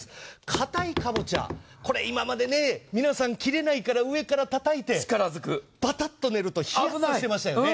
硬いカボチャ、これ今まで皆さん切れないから上からたたいてパタっと寝るとヒヤッとしましたよね。